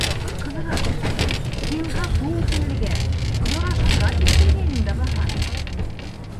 Ҡыҙырас, һин ғәфү үтенергә, ярашырға тип килгәйнең дә баһа?!